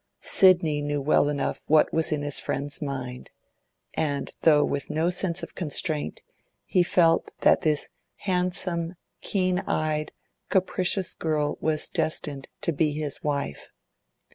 Sidney knew well enough what was in his friend's mind, and, though with no sense of constraint, he felt that this handsome, keen eyed, capricious girl was destined to be his wife.